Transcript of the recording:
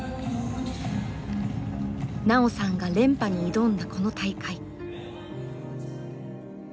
奈緒さんが連覇に挑んだこの大会。